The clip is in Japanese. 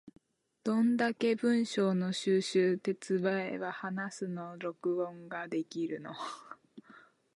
どんだけ文章の収集手伝えば話すの録音ができるの？